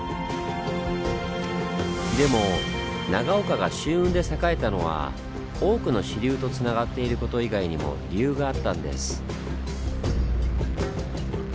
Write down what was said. でも長岡が舟運で栄えたのは多くの支流とつながっていること以外にも理由があったんです。